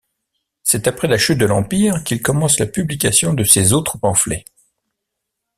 C’est après la chute de l’Empire, qu’il commence la publication de ses autres pamphlets.